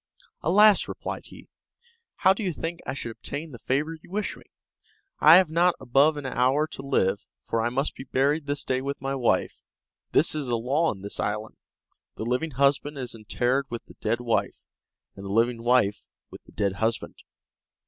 "Alas!" replied he, "how do you think I should obtain the favor you wish me? I have not above an hour to live, for I must be buried this day with my wife. This is a law in this island. The living husband is interred with the dead wife, and the living wife with the dead husband."